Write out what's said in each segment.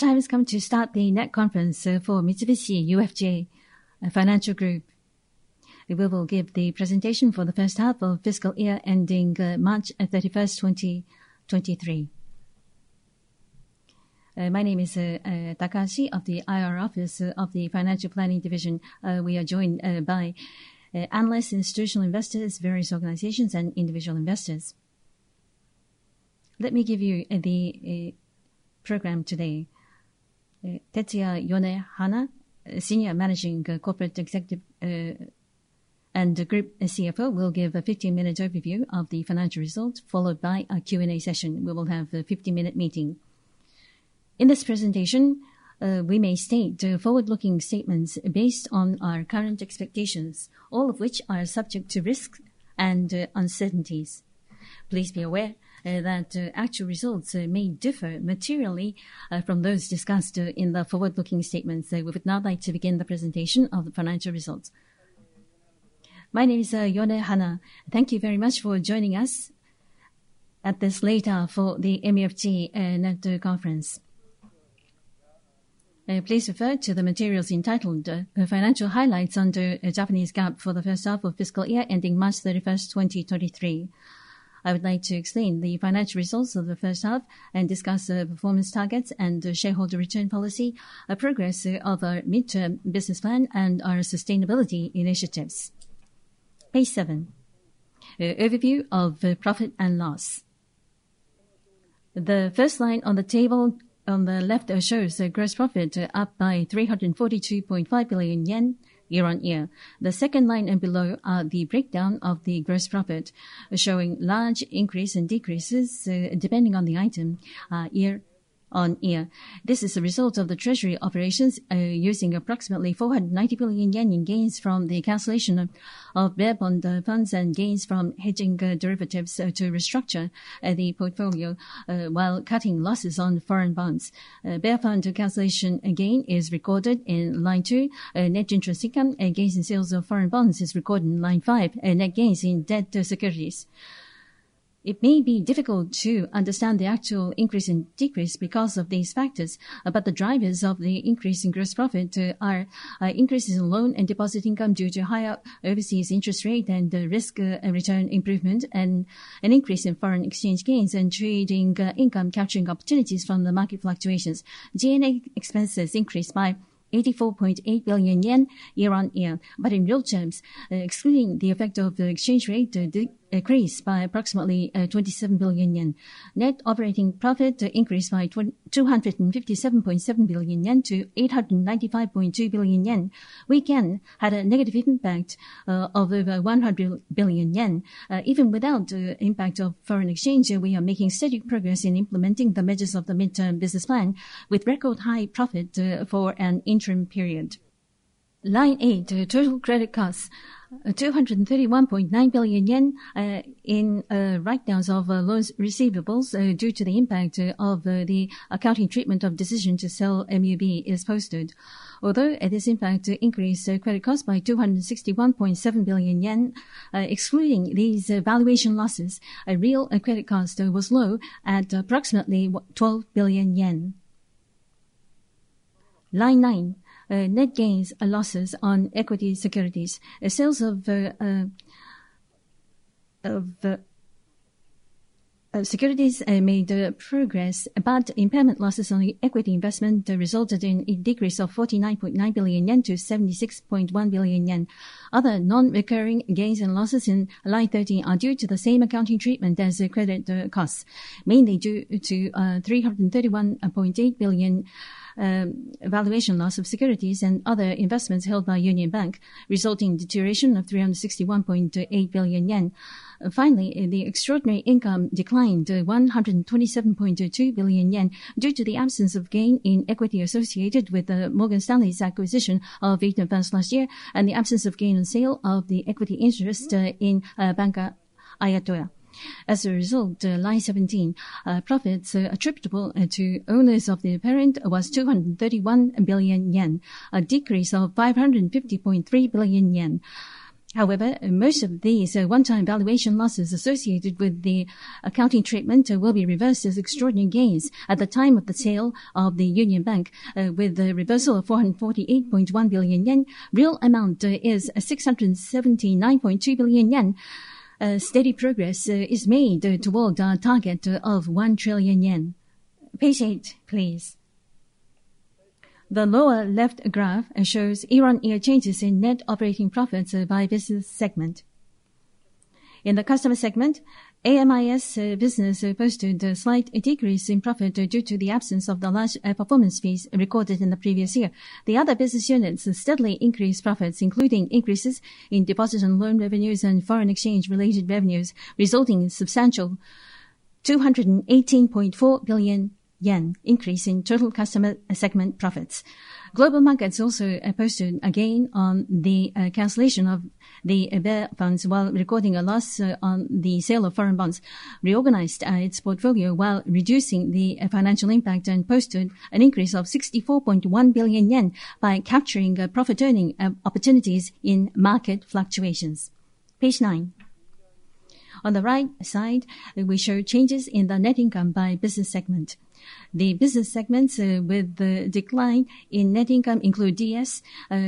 `The time has come to start the web conference for Mitsubishi UFJ Financial Group. We will give the presentation for the first half of fiscal year ending 31 March 2023. My name is Takahashi of the IR office of the Financial Planning Division. We are joined by analysts, institutional investors, various organizations and individual investors. Let me give you the program today. Tetsuya Yonehana, Senior Managing Corporate Executive and Group CFO, will give a 15-minute overview of the financial results, followed by a Q&A session. We will have a 50-minute meeting. In this presentation, we may state forward-looking statements based on our current expectations, all of which are subject to risks and uncertainties. Please be aware that actual results may differ materially from those discussed in the forward-looking statements. We would now like to begin the presentation of the financial results. My name is Yonehana. Thank you very much for joining us at this late hour for the MUFG Net Conference. Please refer to the materials entitled Financial Highlights under Japanese GAAP for the first half of fiscal year ending 31 March 2023. I would like to explain the financial results of the first half and discuss performance targets and shareholder return policy, progress of our midterm business plan, and our sustainability initiatives. Page 7, Overview of Profit and Loss. The first line on the table on the left shows the gross profit up by 342.5 billion yen year-on-year. The second line and below are the breakdown of the gross profit, showing large increase and decreases depending on the item year-on-year. This is a result of the treasury operations using approximately 490 billion yen in gains from the cancellation of bear bond funds and gains from hedging derivatives to restructure the portfolio while cutting losses on foreign bonds. Bear bond cancellation gain is recorded in line two. Net interest income and gains in sales of foreign bonds is recorded in line five, and net gains in debt securities. It may be difficult to understand the actual increase and decrease because of these factors, but the drivers of the increase in gross profit are increases in loan and deposit income due to higher overseas interest rate and the risk and return improvement and an increase in foreign exchange gains and trading income capturing opportunities from the market fluctuations. G&A expenses increased by 84.8 billion yen year-on-year, but in real terms, excluding the effect of the exchange rate, decreased by approximately 27 billion yen. Net operating profit increased by 257.7 billion-895.2 billion yen. Weak yen had a negative impact of over 100 billion yen. Even without impact of foreign exchange, we are making steady progress in implementing the measures of the mid-term business plan with record high profit for an interim period. Line eight, total credit costs, 231.9 billion yen, in write-downs of loan receivables due to the impact of the accounting treatment of decision to sell MUB is posted. Although this impact increased credit costs by 261.7 billion yen, excluding these valuation losses, the real credit cost was low at approximately 12 billion yen. Line nine, net gains and losses on equity securities. Sales of securities made progress, but impairment losses on the equity investment resulted in a decrease of 49.9 billion yen to 76.1 billion yen. Other non-recurring gains and losses in line 13 are due to the same accounting treatment as the credit costs, mainly due to 331.8 billion valuation loss of securities and other investments held by Union Bank, resulting in deterioration of 361.8 billion yen. Finally, the extraordinary income declined 127.2 billion yen due to the absence of gain in equity associated with Morgan Stanley's acquisition of Eaton Vance last year, and the absence of gain on sale of the equity interest in Bank of Ayudhya. As a result, line 17, profits attributable to owners of the parent was 231 billion yen, a decrease of 550.3 billion yen. However, most of these one-time valuation losses associated with the accounting treatment will be reversed as extraordinary gains at the time of the sale of the Union Bank, with the reversal of 448.1 billion yen. Real amount is 679.2 billion yen. Steady progress is made toward our target of 1 trillion yen. Page 8, please. The lower left graph shows year-on-year changes in net operating profits by business segment. In the customer segment, AM/IS business posted a slight decrease in profit due to the absence of the large performance fees recorded in the previous year. The other business units steadily increased profits, including increases in deposit and loan revenues and foreign exchange-related revenues, resulting in substantial 218.4 billion yen increase in total customer segment profits. Global Markets also posted a gain on the cancellation of the bear funds while recording a loss on the sale of foreign bonds, reorganized its portfolio while reducing the financial impact, and posted an increase of 64.1 billion yen by capturing profit-earning opportunities in market fluctuations. Page 9. On the right side, we show changes in the net income by business segment. The business segments with the decline in net income include DS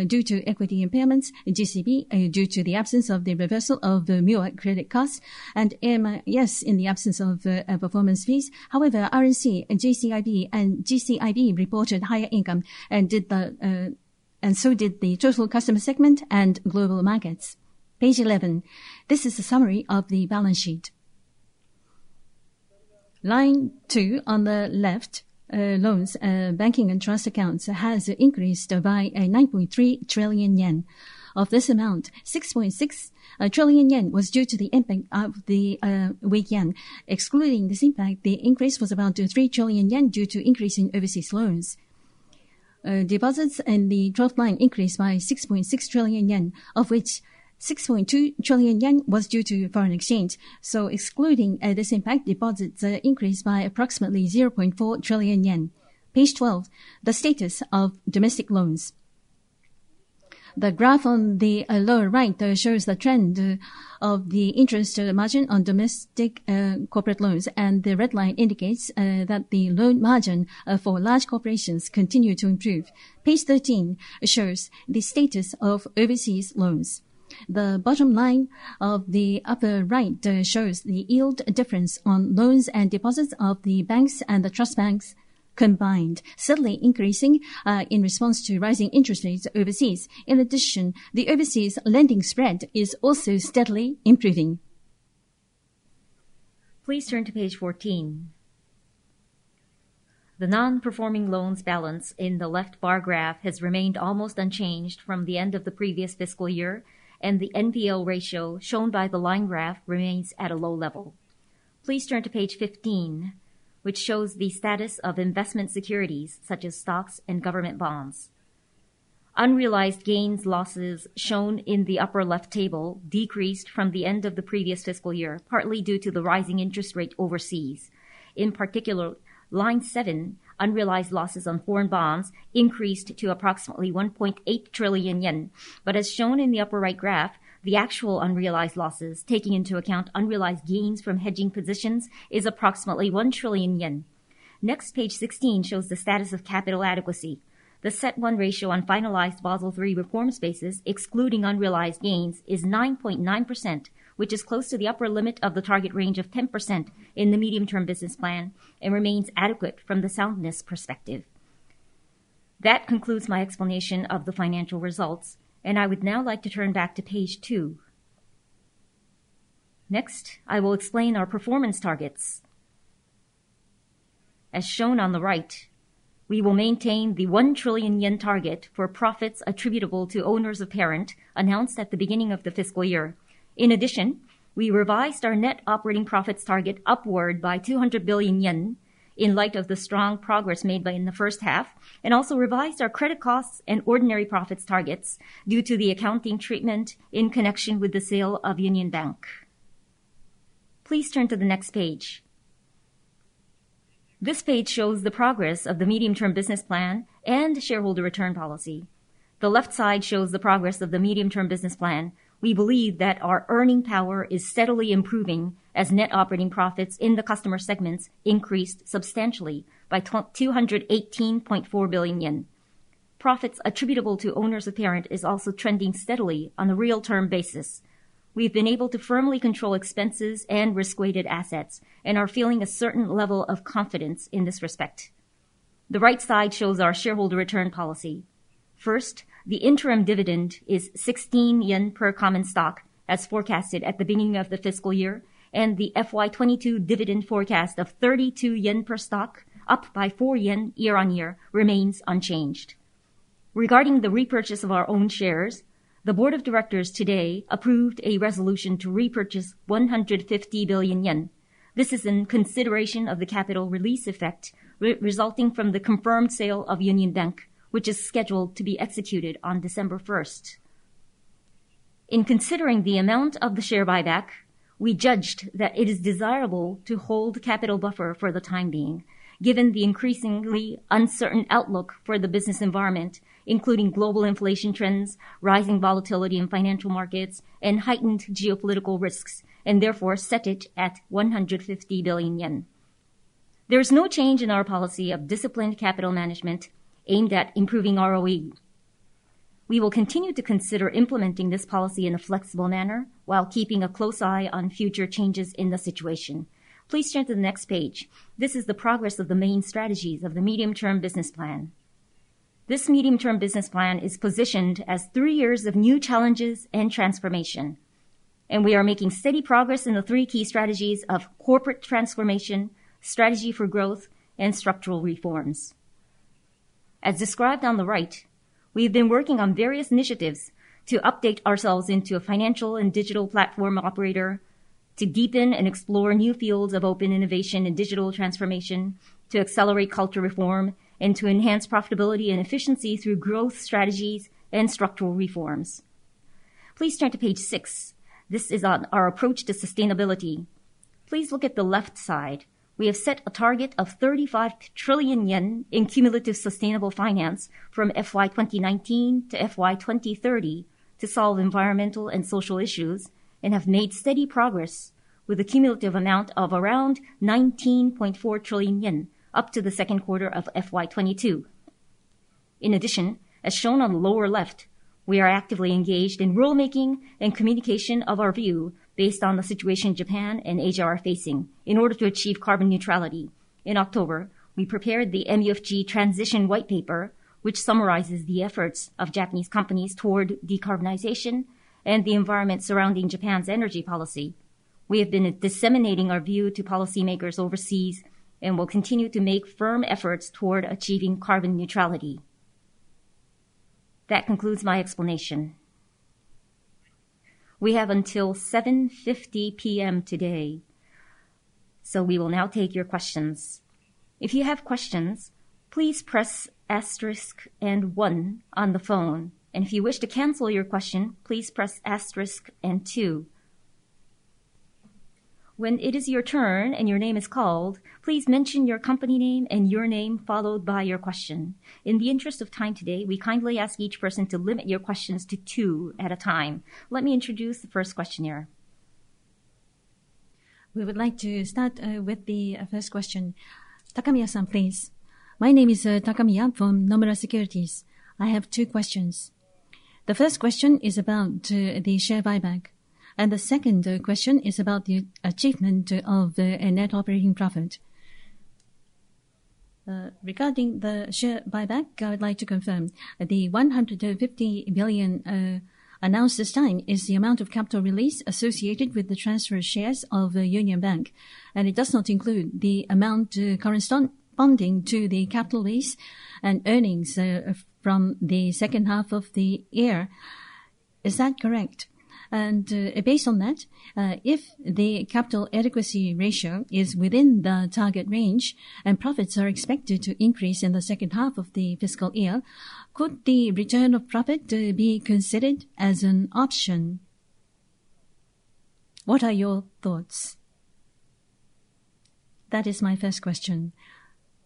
due to equity impairments, GCB due to the absence of the reversal of the MUFG credit costs and AM/IS in the absence of performance fees. However, R&C and GCIB reported higher income, and so did the total customer segment and global markets. Page 11, this is a summary of the balance sheet. Line two on the left, loans, banking and trust accounts has increased by 9.3 trillion yen. Of this amount, 6.6 trillion yen was due to the impact of the weak yen. Excluding this impact, the increase was about 3 trillion yen due to increase in overseas loans. Deposits and the draft line increased by 6.6 trillion yen, of which 6.2 trillion yen was due to foreign exchange. Excluding this impact, deposits increased by approximately 0.4 trillion yen. Page 12, the status of domestic loans. The graph on the lower right shows the trend of the interest margin on domestic corporate loans, and the red line indicates that the loan margin for large corporations continue to improve. Page 13 shows the status of overseas loans. The bottom line of the upper right shows the yield difference on loans and deposits of the banks and the trust banks combined, steadily increasing in response to rising interest rates overseas. In addition, the overseas lending spread is also steadily improving. Please turn to Page 14. The non-performing loans balance in the left bar graph has remained almost unchanged from the end of the previous fiscal year, and the NPL ratio shown by the line graph remains at a low level. Please turn to Page 15, which shows the status of investment securities such as stocks and government bonds. Unrealized gains/losses shown in the upper left table decreased from the end of the previous fiscal year, partly due to the rising interest rate overseas. In particular, line seven, unrealized losses on foreign bonds increased to approximately 1.8 trillion yen. As shown in the upper right graph, the actual unrealized losses, taking into account unrealized gains from hedging positions, is approximately 1 trillion yen. Next, Page 16 shows the status of capital adequacy. The CET1 ratio on finalized Basel III reform basis, excluding unrealized gains, is 9.9%, which is close to the upper limit of the target range of 10% in the medium-term business plan and remains adequate from the soundness perspective. That concludes my explanation of the financial results, and I would now like to turn back to page two. Next, I will explain our performance targets. As shown on the right, we will maintain the 1 trillion yen target for profits attributable to owners of parent announced at the beginning of the fiscal year. In addition, we revised our net operating profits target upward by 200 billion yen in light of the strong progress made in the first half, and also revised our credit costs and ordinary profits targets due to the accounting treatment in connection with the sale of Union Bank. Please turn to the next page. This page shows the progress of the medium-term business plan and shareholder return policy. The left side shows the progress of the medium-term business plan. We believe that our earning power is steadily improving as net operating profits in the customer segments increased substantially by 218.4 billion yen. Profits attributable to owners of parent is also trending steadily on a real-term basis. We've been able to firmly control expenses and risk-weighted assets and are feeling a certain level of confidence in this respect. The right side shows our shareholder return policy. First, the interim dividend is 16 yen per common stock as forecasted at the beginning of the fiscal year, and the FY2022 dividend forecast of 32 yen per stock, up by 4 yen year-on-year, remains unchanged. Regarding the repurchase of our own shares, the board of directors today approved a resolution to repurchase 150 billion yen. This is in consideration of the capital release effect resulting from the confirmed sale of Union Bank, which is scheduled to be executed on December first. In considering the amount of the share buyback, we judged that it is desirable to hold capital buffer for the time being, given the increasingly uncertain outlook for the business environment, including global inflation trends, rising volatility in financial markets, and heightened geopolitical risks, and therefore set it at 150 billion yen. There is no change in our policy of disciplined capital management aimed at improving ROE. We will continue to consider implementing this policy in a flexible manner while keeping a close eye on future changes in the situation. Please turn to the next page. This is the progress of the main strategies of the medium-term business plan. This medium-term business plan is positioned as three years of new challenges and transformation, and we are making steady progress in the three key strategies of corporate transformation, strategy for growth, and structural reforms. As described on the right, we've been working on various initiatives to update ourselves into a financial and digital platform operator, to deepen and explore new fields of open innovation and digital transformation, to accelerate culture reform, and to enhance profitability and efficiency through growth strategies and structural reforms. Please turn to Page 6. This is on our approach to sustainability. Please look at the left side. We have set a target of 35 trillion yen in cumulative sustainable finance from FY2019-FY2030 to solve environmental and social issues, and have made steady progress with a cumulative amount of around 19.4 trillion yen up to the Q2 of FY2022. In addition, as shown on the lower left, we are actively engaged in rulemaking and communication of our view based on the situation Japan and Asia are facing in order to achieve carbon neutrality. In October, we prepared the MUFG Transition Whitepaper, which summarizes the efforts of Japanese companies toward decarbonization and the environment surrounding Japan's energy policy. We have been disseminating our view to policymakers overseas and will continue to make firm efforts toward achieving carbon neutrality. That concludes my explanation. We have until 7:50 P.M. today, so we will now take your questions. If you have questions, please press asterisk and one on the phone. If you wish to cancel your question, please press asterisk and two. When it is your turn and your name is called, please mention your company name and your name, followed by your question. In the interest of time today, we kindly ask each person to limit your questions to two at a time. Let me introduce the first questioner. We would like to start with the first question. Takamiya-san, please. My name is Takamiya from Nomura Securities. I have two questions. The first question is about the share buyback, and the second question is about the achievement of the net operating profit. Regarding the share buyback, I would like to confirm the 150 billion announced this time is the amount of capital release associated with the transfer of shares of Union Bank, and it does not include the amount corresponding to the capital released and earnings from the second half of the year. Is that correct? Based on that, if the capital adequacy ratio is within the target range and profits are expected to increase in the second half of the fiscal year, could the return of profit be considered as an option? What are your thoughts? That is my first question.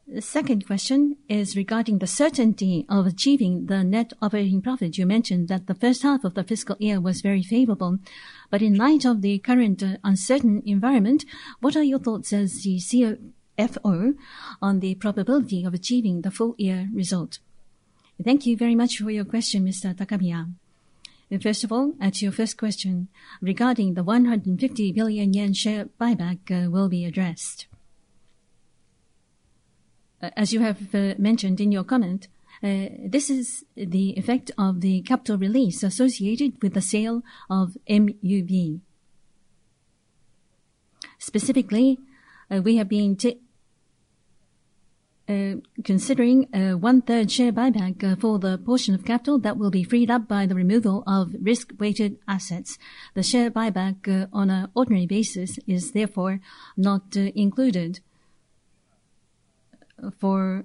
The second question is regarding the certainty of achieving the net operating profit. You mentioned that the first half of the fiscal year was very favorable, but in light of the current uncertain environment, what are your thoughts as the CFO on the probability of achieving the full year result? Thank you very much for your question, Mr. Takamiya. First of all, as to your first question regarding the 150 billion yen share buyback, will be addressed. As you have mentioned in your comment, this is the effect of the capital release associated with the sale of MUB. Specifically, we have been considering 1/3 share buyback for the portion of capital that will be freed up by the removal of risk-weighted assets. The share buyback on an ordinary basis is therefore not included. Therefore,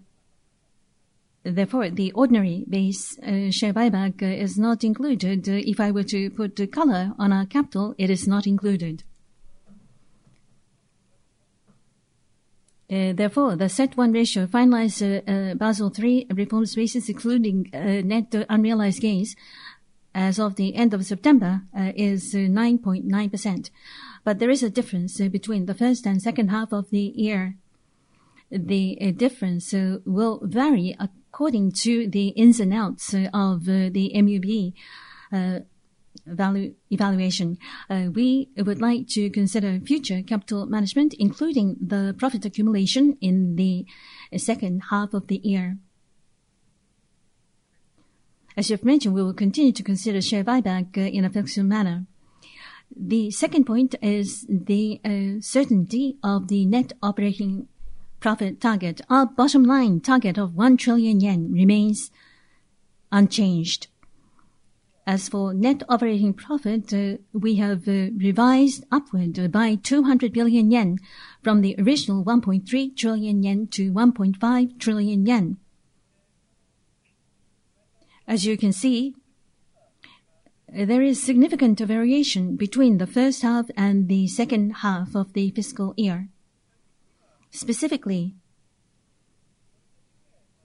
the ordinary basis share buyback is not included. If I were to put color on our capital, it is not included. Therefore, the CET1 ratio finalized Basel III reforms basis, including net unrealized gains as of the end of September, is 9.9%. There is a difference between the first and second half of the year. The difference will vary according to the ins and outs of the MUB value evaluation. We would like to consider future capital management, including the profit accumulation in the second half of the year. As you've mentioned, we will continue to consider share buyback in a flexible manner. The second point is the certainty of the net operating profit target. Our bottom line target of 1 trillion yen remains unchanged. As for net operating profit, we have revised upward by 200 billion yen from the original 1.3 trillion-1.5 trillion yen. As you can see, there is significant variation between the first half and the second half of the fiscal year. Specifically,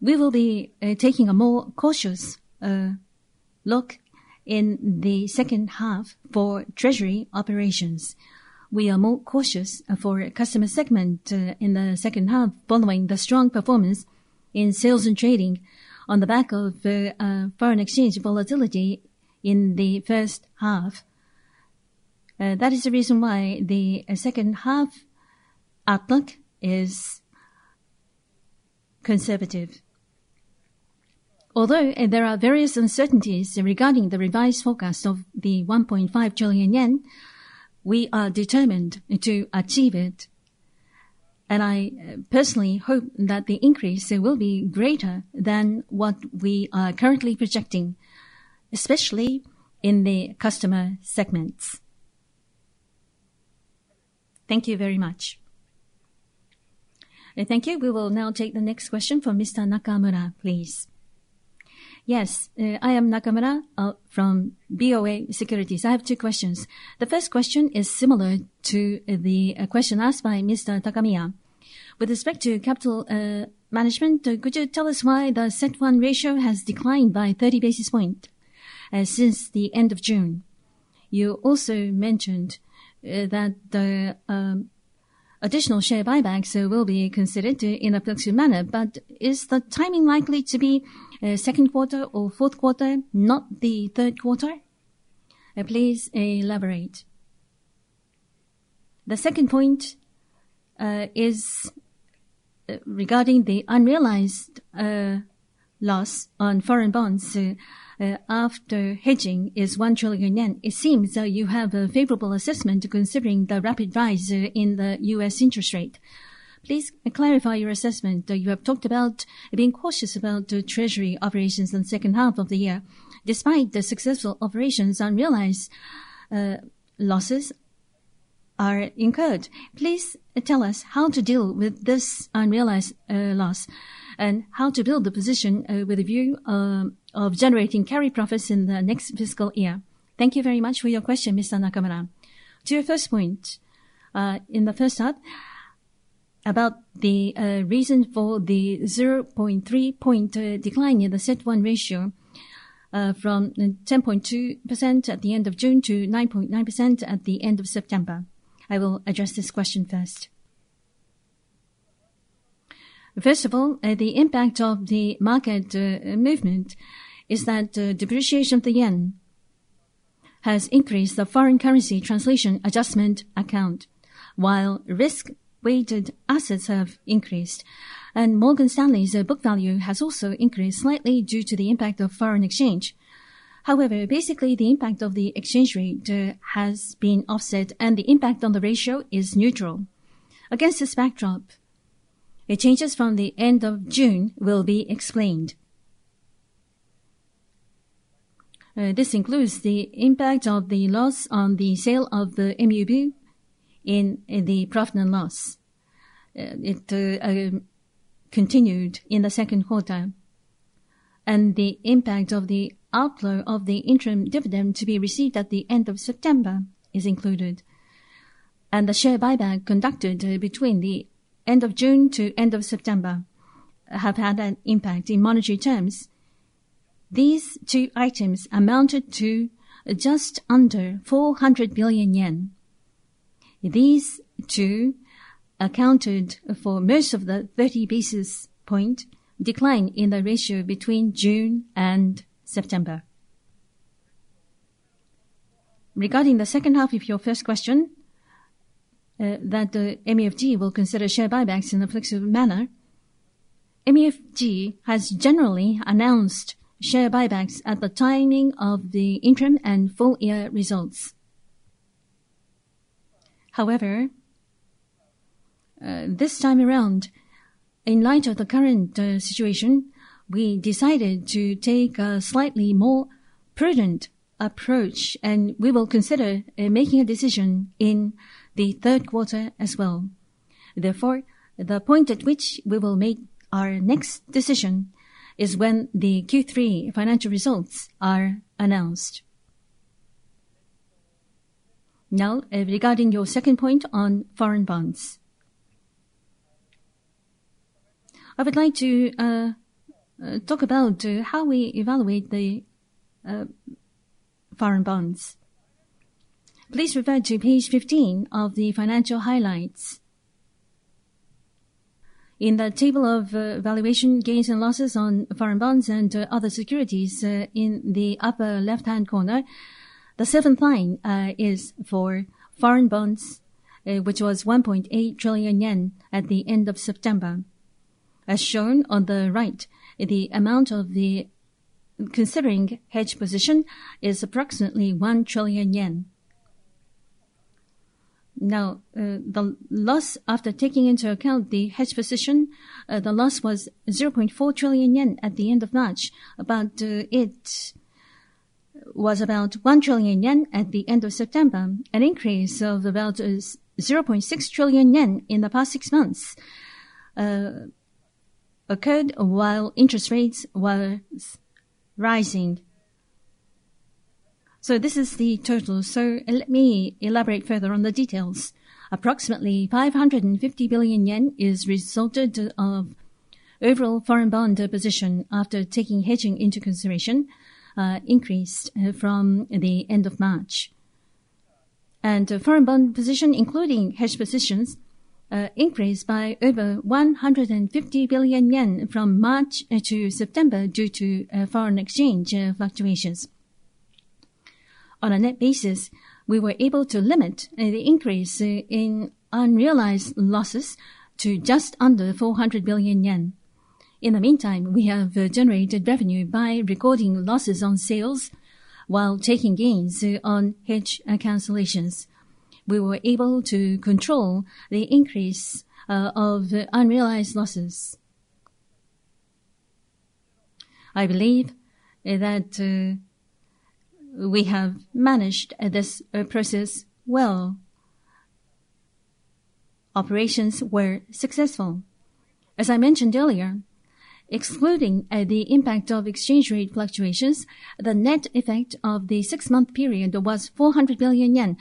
we will be taking a more cautious look in the second half for treasury operations. We are more cautious for customer segment in the second half, following the strong performance in sales and trading on the back of foreign exchange volatility in the first half. That is the reason why the second half outlook is conservative. Although there are various uncertainties regarding the revised forecast of the 1.5 trillion yen, we are determined to achieve it. I personally hope that the increase will be greater than what we are currently projecting, especially in the customer segments. Thank you very much. Thank you. We will now take the next question from Mr. Nakamura, please. Yes. I am Nakamura from BofA Securities. I have two questions. The first question is similar to the question asked by Mr. Takamiya. With respect to capital management, could you tell us why the CET1 ratio has declined by 30 basis points since the end of June? You also mentioned that the additional share buybacks will be considered in a flexible manner, but is the timing likely to be Q2 or Q4, not the Q3? Please elaborate. The second point is regarding the unrealized loss on foreign bonds after hedging is 1 trillion yen. It seems you have a favorable assessment considering the rapid rise in the U.S. interest rate. Please clarify your assessment. You have talked about being cautious about the treasury operations in the second half of the year. Despite the successful operations, unrealized losses are incurred. Please tell us how to deal with this unrealized loss and how to build the position with a view of generating carry profits in the next fiscal year. Thank you very much for your question, Mr. Nakamura. To your first point, in the first half about the reason for the 0.3-point decline in the CET1 ratio from 10.2% at the end of June to 9.9% at the end of September. I will address this question first. First of all, the impact of the market movement is that depreciation of the yen has increased the foreign currency translation adjustment account, while risk-weighted assets have increased. Morgan Stanley's book value has also increased slightly due to the impact of foreign exchange. However, basically the impact of the exchange rate has been offset, and the impact on the ratio is neutral. Against this backdrop, changes from the end of June will be explained. This includes the impact of the loss on the sale of the MUB in the profit and loss. Continued in the Q2, and the impact of the outflow of the interim dividend to be received at the end of September is included. The share buyback conducted between the end of June to end of September have had an impact in monetary terms. These two items amounted to just under 400 billion yen. These two accounted for most of the 30 basis point decline in the ratio between June and September. Regarding the second half of your first question, that MUFG will consider share buybacks in a flexible manner. MUFG has generally announced share buybacks at the timing of the interim and full year results. However, this time around, in light of the current situation, we decided to take a slightly more prudent approach, and we will consider making a decision in the Q3 as well. Therefore, the point at which we will make our next decision is when the Q3 financial results are announced. Now, regarding your second point on foreign bonds. I would like to talk about how we evaluate the foreign bonds. Please refer to Page 15 of the financial highlights. In the table of valuation gains and losses on foreign bonds and other securities, in the upper left-hand corner, the seventh line is for foreign bonds, which was 1.8 trillion yen at the end of September. As shown on the right, the amount of the considering hedge position is approximately 1 trillion yen. Now, the loss after taking into account the hedge position, the loss was 0.4 trillion yen at the end of March, but it was about 1 trillion yen at the end of September, an increase of about 0.6 trillion yen in the past six months, occurred while interest rates was rising. This is the total, so let me elaborate further on the details. Approximately 550 billion yen is resulted of overall foreign bond position after taking hedging into consideration, increased from the end of March. Foreign bond position, including hedge positions, increased by over 150 billion yen from March to September due to foreign exchange fluctuations. On a net basis, we were able to limit the increase in unrealized losses to just under 400 billion yen. In the meantime, we have generated revenue by recording losses on sales while taking gains on hedge cancellations. We were able to control the increase of unrealized losses. I believe that we have managed this process well. Operations were successful. As I mentioned earlier, excluding the impact of exchange rate fluctuations, the net effect of the six-month period was 400 billion yen.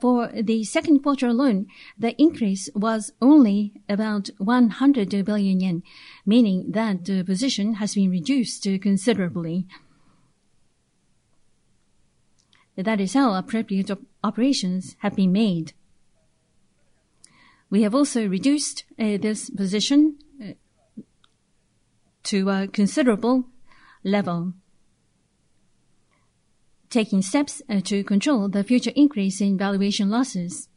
For the Q2 alone, the increase was only about 100 billion yen, meaning that the position has been reduced considerably. That is how appropriate operations have been made. We have also reduced this position to a considerable level, taking steps to control the future increase in valuation losses.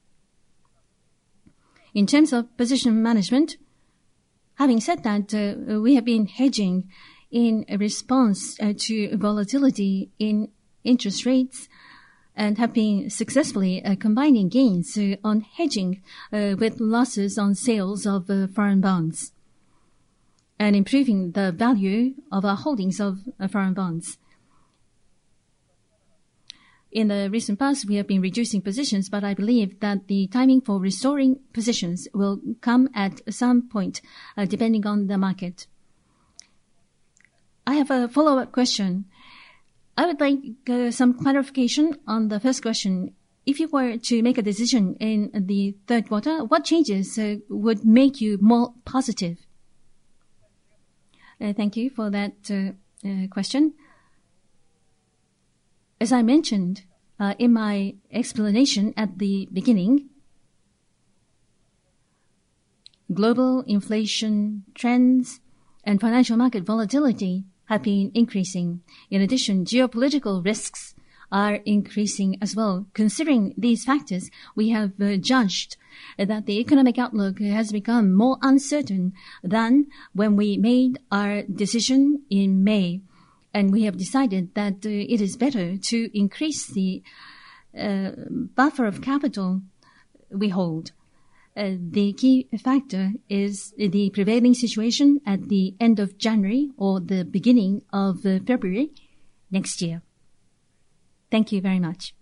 In terms of position management, having said that, we have been hedging in response to volatility in interest rates and have been successfully combining gains on hedging with losses on sales of foreign bonds and improving the value of our holdings of foreign bonds. In the recent past, we have been reducing positions, but I believe that the timing for restoring positions will come at some point depending on the market. I have a follow-up question. I would like some clarification on the first question. If you were to make a decision in the Q3, what changes would make you more positive? Thank you for that question. As I mentioned in my explanation at the beginning, global inflation trends and financial market volatility have been increasing. In addition, geopolitical risks are increasing as well. Considering these factors, we have judged that the economic outlook has become more uncertain than when we made our decision in May, and we have decided that it is better to increase the buffer of capital we hold. The key factor is the prevailing situation at the end of January or the beginning of February next year. Thank you very much.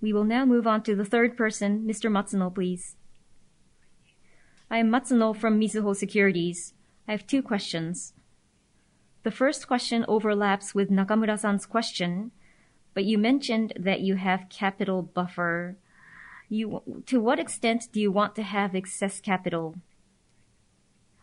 We will now move on to the third person. Mr. Matsuno, please. I am Matsuno from Mizuho Securities. I have two questions. The first question overlaps with Nakamura-san's question, but you mentioned that you have capital buffer. To what extent do you want to have excess capital?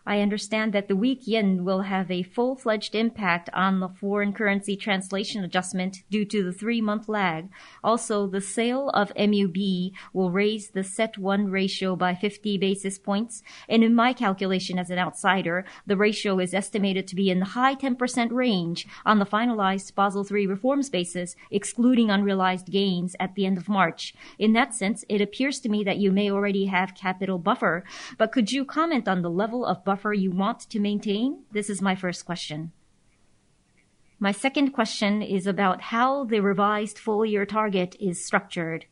I understand that the weak yen will have a full-fledged impact on the foreign currency translation adjustment due to the three-month lag. Also, the sale of MUB will raise the CET1 ratio by 50 basis points. In my calculation as an outsider, the ratio is estimated to be in the high 10% range on the finalized Basel III reforms basis, excluding unrealized gains at the end of March. In that sense, it appears to me that you may already have capital buffer, but could you comment on the level of buffer you want to maintain? This is my first question. My second question is about how the revised full-year target is structured.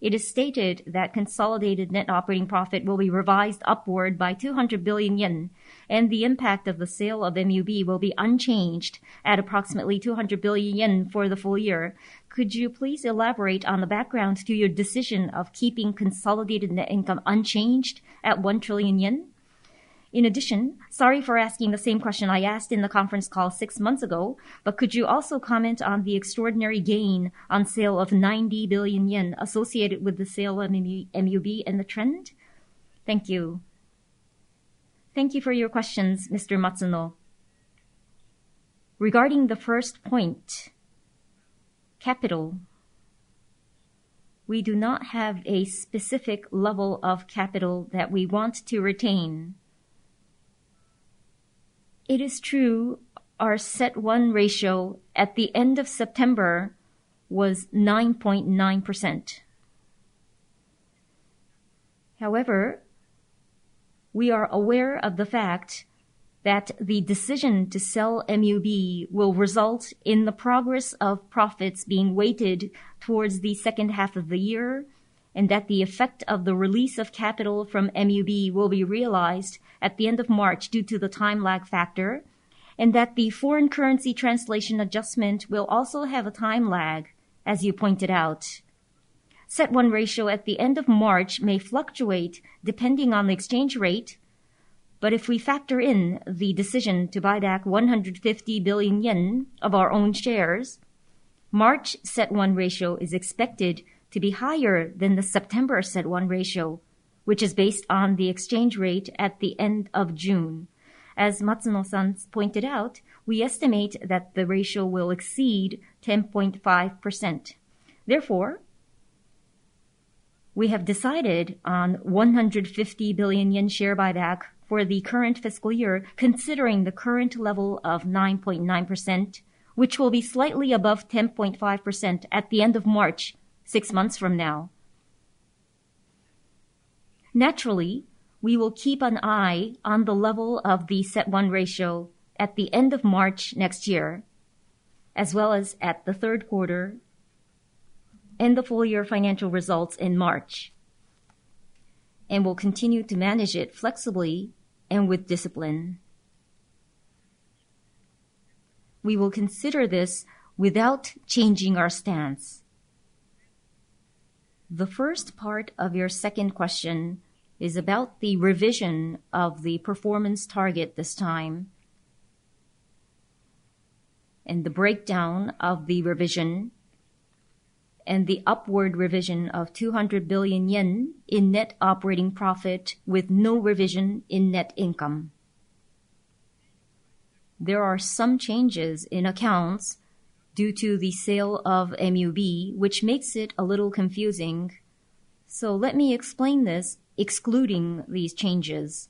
It is stated that consolidated net operating profit will be revised upward by 200 billion yen, and the impact of the sale of MUB will be unchanged at approximately 200 billion yen for the full year. Could you please elaborate on the background to your decision of keeping consolidated net income unchanged at 1 trillion yen? In addition, sorry for asking the same question I asked in the conference call six months ago, but could you also comment on the extraordinary gain on sale of 90 billion yen associated with the sale of MUB and the trend? Thank you. Thank you for your questions, Mr. Matsuno. Regarding the first point, capital, we do not have a specific level of capital that we want to retain. It is true our CET1 ratio at the end of September was 9.9%. However, we are aware of the fact that the decision to sell MUB will result in the progress of profits being weighted towards the second half of the year, and that the effect of the release of capital from MUB will be realized at the end of March due to the time lag factor, and that the foreign currency translation adjustment will also have a time lag, as you pointed out. CET1 ratio at the end of March may fluctuate depending on the exchange rate, but if we factor in the decision to buy back 150 billion yen of our own shares, March CET1 ratio is expected to be higher than the September CET1 ratio, which is based on the exchange rate at the end of June. As Matsuno-san's pointed out, we estimate that the ratio will exceed 10.5%. Therefore, we have decided on 150 billion yen share buyback for the current fiscal year, considering the current level of 9.9%, which will be slightly above 10.5% at the end of March, six months from now. Naturally, we will keep an eye on the level of the CET1 ratio at the end of March next year, as well as at the Q3. The full year financial results in March. We'll continue to manage it flexibly and with discipline. We will consider this without changing our stance. The first part of your second question is about the revision of the performance target this time, and the breakdown of the revision, and the upward revision of 200 billion yen in net operating profit with no revision in net income. There are some changes in accounts due to the sale of MUB, which makes it a little confusing. Let me explain this excluding these changes.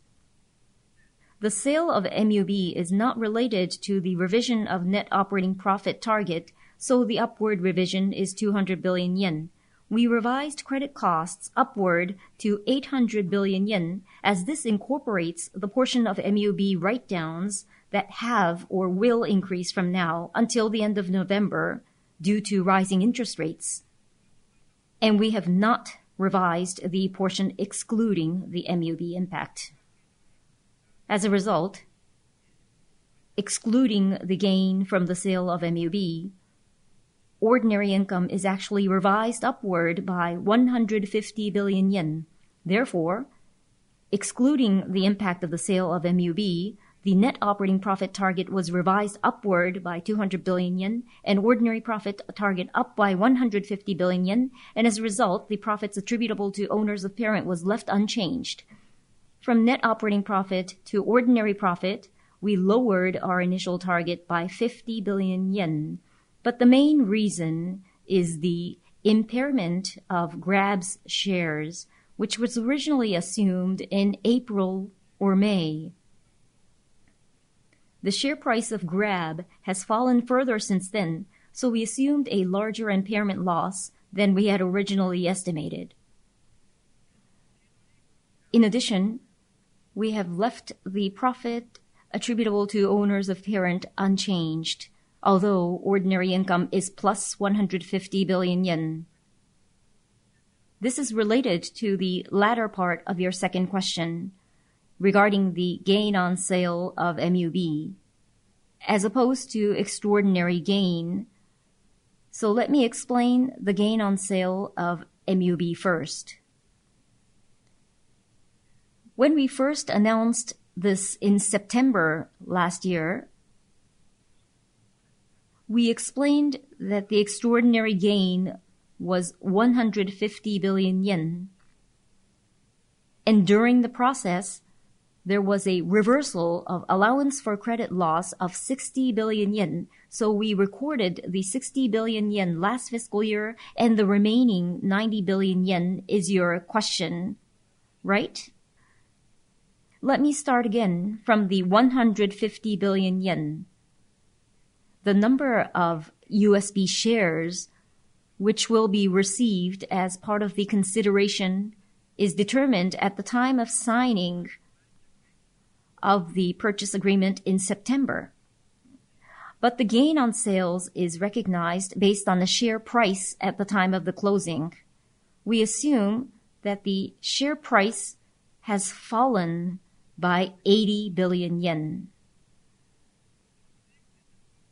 The sale of MUB is not related to the revision of net operating profit target, so the upward revision is 200 billion yen. We revised credit costs upward to 800 billion yen, as this incorporates the portion of MUB write-downs that have or will increase from now until the end of November due to rising interest rates, and we have not revised the portion excluding the MUB impact. As a result, excluding the gain from the sale of MUB, ordinary income is actually revised upward by 150 billion yen. Therefore, excluding the impact of the sale of MUB, the net operating profit target was revised upward by 200 billion yen, an ordinary profit target up by 150 billion yen, and as a result, the profits attributable to owners of parent was left unchanged. From net operating profit to ordinary profit, we lowered our initial target by 50 billion yen, but the main reason is the impairment of Grab's shares, which was originally assumed in April or May. The share price of Grab has fallen further since then, so we assumed a larger impairment loss than we had originally estimated. In addition, we have left the profit attributable to owners of parent unchanged, although ordinary income is +150 billion yen. This is related to the latter part of your second question regarding the gain on sale of MUB as opposed to extraordinary gain. Let me explain the gain on sale of MUB first. When we first announced this in September last year, we explained that the extraordinary gain was 150 billion yen. During the process, there was a reversal of allowance for credit loss of 60 billion yen. We recorded the 60 billion yen last fiscal year, and the remaining 90 billion yen is your question, right? Let me start again from the 150 billion yen. The number of USB shares which will be received as part of the consideration is determined at the time of signing of the purchase agreement in September. The gain on sales is recognized based on the share price at the time of the closing. We assume that the share price has fallen by 80 billion yen.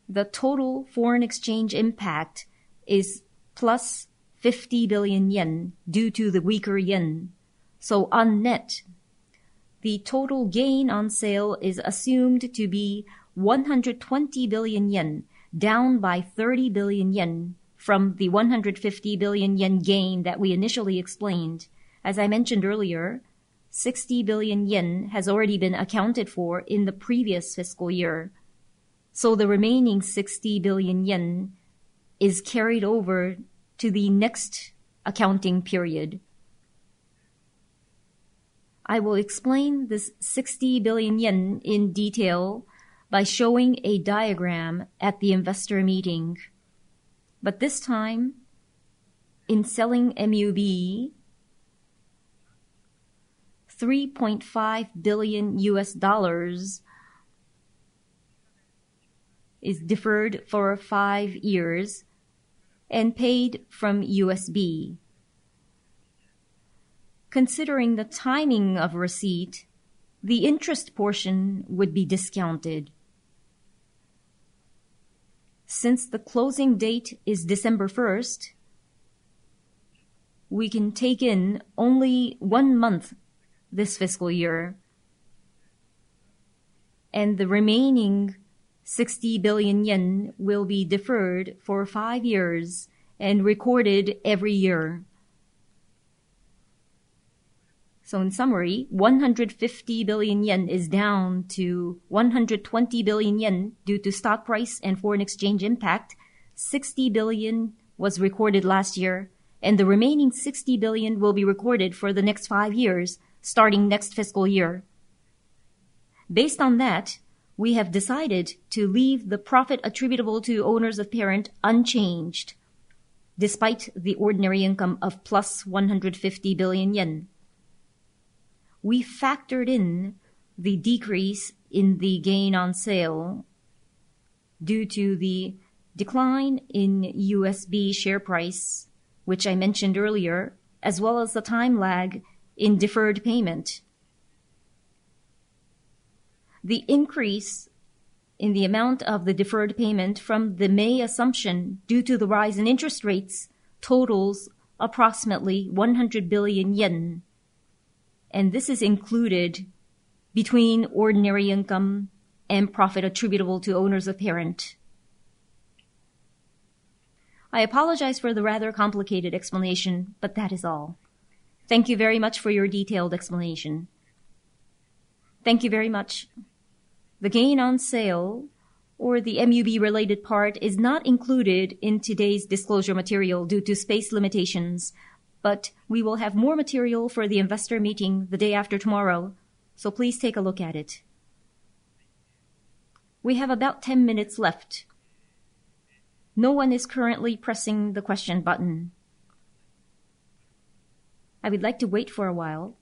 The total foreign exchange impact is +50 billion yen due to the weaker yen. On net, the total gain on sale is assumed to be 120 billion yen, down by 30 billion yen from the 150 billion yen gain that we initially explained. As I mentioned earlier, 60 billion yen has already been accounted for in the previous fiscal year. The remaining 60 billion yen is carried over to the next accounting period. I will explain this 60 billion yen in detail by showing a diagram at the investor meeting. This time, in selling MUB, $3.5 billion is deferred for five years and paid from USB. Considering the timing of receipt, the interest portion would be discounted. Since the closing date is 1 December 2023, we can take in only one month this fiscal year, and the remaining 60 billion yen will be deferred for five years and recorded every year. In summary, 150 billion yen is down to 120 billion yen due to stock price and foreign exchange impact. 60 billion was recorded last year, and the remaining 60 billion will be recorded for the next five years, starting next fiscal year. Based on that, we have decided to leave the profit attributable to owners of parent unchanged despite the ordinary income of +150 billion yen. We factored in the decrease in the gain on sale due to the decline in USB share price, which I mentioned earlier, as well as the time lag in deferred payment. The increase in the amount of the deferred payment from the May assumption due to the rise in interest rates totals approximately 100 billion yen, and this is included between ordinary income and profit attributable to owners of parent. I apologize for the rather complicated explanation, but that is all. Thank you very much for your detailed explanation. Thank you very much. The gain on sale or the MUB-related part is not included in today's disclosure material due to space limitations, but we will have more material for the investor meeting the day after tomorrow, so please take a look at it. We have about 10 minutes left. No one is currently pressing the question button. I would like to wait for a while.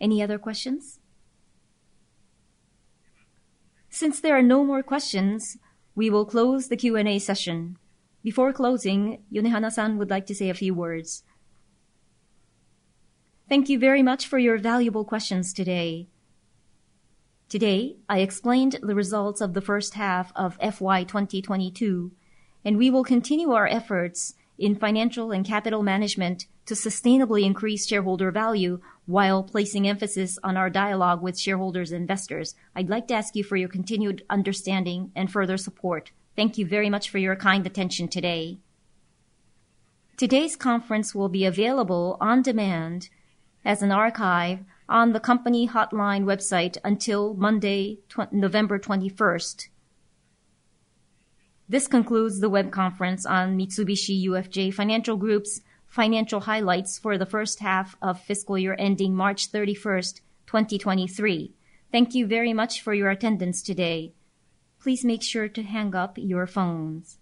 Any other questions? Since there are no more questions, we will close the Q&A session. Before closing, Yonehana-san would like to say a few words. Thank you very much for your valuable questions today. Today, I explained the results of the first half of FY2022, and we will continue our efforts in financial and capital management to sustainably increase shareholder value while placing emphasis on our dialogue with shareholders and investors. I'd like to ask you for your continued understanding and further support. Thank you very much for your kind attention today. Today's conference will be available on demand as an archive on the company hotline website until Monday, 21 November 2023. This concludes the web conference on Mitsubishi UFJ Financial Group's financial highlights for the first half of fiscal year ending 31 March, 2023. Thank you very much for your attendance today. Please make sure to hang up your phones.